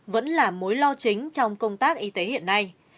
vẫn là mối lo chính trong công tác y tế hiện nay